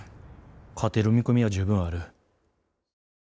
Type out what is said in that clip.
勝てる見込みは十分ある。